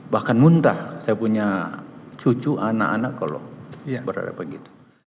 bahkan muntah saya punya cucu anak anak kalau berada begitu